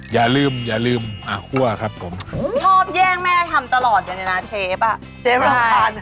อย่าลืมอย่าลืมอ่ะคั่วครับผมชอบแย่งแม่ทำตลอดอย่างเงี้ยนะเชฟอ่ะ